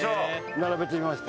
並べてみました。